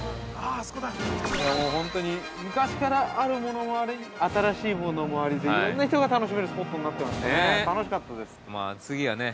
◆本当に昔からあるものもあり、新しいものもありで、いろんな人が楽しめる、スポットになっていますね。